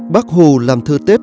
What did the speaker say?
bác hồ làm thơ tết